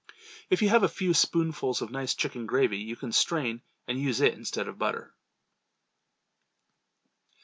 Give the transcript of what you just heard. If you have a few spoonfuls of nice chicken gravy, you can strain and use it instead of butter.